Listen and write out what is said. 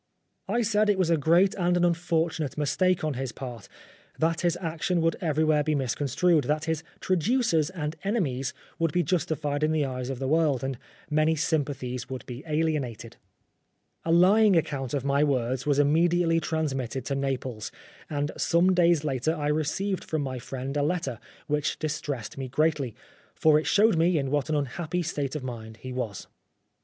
I said it was a great and an unfortunate mistake on his part ; that his action would everywhere be misconstrued ; that his tradu cers and enemies would be justified in the eyes of the world, and many sympathies would be alienated. 250 Oscar Wilde A lying account of my words was immed iately transmitted to Naples, and some days later I received from my friend a letter which distressed me greatly, for it showed me in what an unhappy state of mind he was.